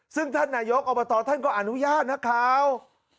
ซึ่งท่านนายกออกมาต่อท่านก็อนุญาตนะครับ